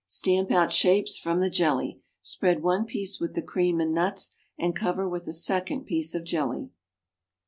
Stamp out shapes from the jelly. Spread one piece with the cream and nuts and cover with a second piece of jelly.